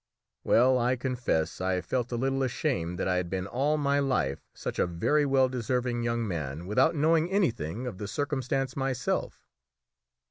Well, I confess I felt a little ashamed that I had been all my life such a very well deserving young man without knowing anything of the circumstance myself.